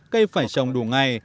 cây phải trồng đủ ngày